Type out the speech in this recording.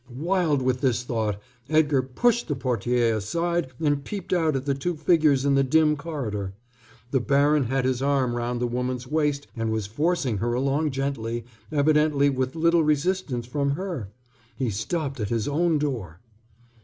Wild with this thought, Edgar pushed the portière aside and peeped out at the two figures in the dim corridor. The baron had his arm round the woman's waist and was forcing her along gently, evidently with little resistance from her. He stopped at his own door.